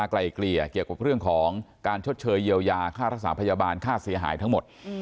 ไกลเกลี่ยเกี่ยวกับเรื่องของการชดเชยเยียวยาค่ารักษาพยาบาลค่าเสียหายทั้งหมด